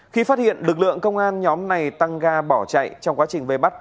khi phát hiện lực lượng công an nhóm này tăng ga bỏ chạy trong quá trình vây bắt